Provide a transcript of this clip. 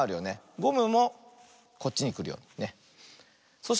ゴムもこっちにくるように。